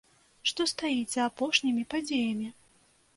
Што стаіць за апошнімі падзеямі?